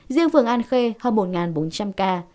riêng phường an khê hơn một bốn trăm linh ca